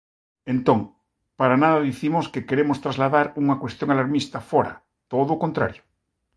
Entón, para nada dicimos que queremos trasladar unha cuestión alarmista fóra, todo o contrario.